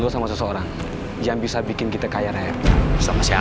lo mau hidup miskin atau mau hidup kaya raya